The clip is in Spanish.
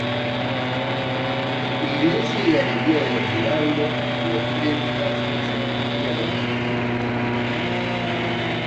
Iglesia y galería de "los milagros" u ofrendas y sacristía-camarín.